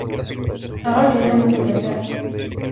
اراك يوم الثلاثاء.